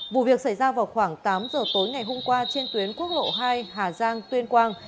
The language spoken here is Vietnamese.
vụ việc xảy ra vào khoảng tám giờ tối ngày hôm qua trên tuyến quốc lộ hai hà giang tuyên quang